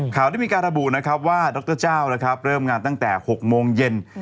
ข่าวได้มีการระบุว่ารเจ้าเริ่มงานตั้งแต่๖โมงเย็น